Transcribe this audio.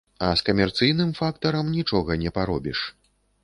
А з камерцыйным фактарам нічога не паробіш.